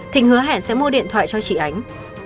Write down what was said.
thịnh hứa hẹn sẽ mua điện thoại cho chị ánh